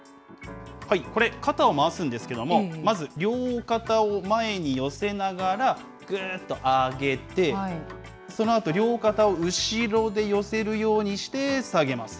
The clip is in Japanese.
これ、肩を回すんですけれども、まず、両肩を前に寄せながら、ぐーっと上げて、そのあと、両肩を後ろで寄せるようにして下げます。